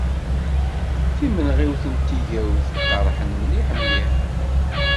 Timenɣiwt d tigawt iqeṛṛḥan mliḥ mliḥ.